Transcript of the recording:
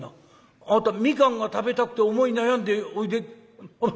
あなた蜜柑が食べたくて思い悩んでおいで。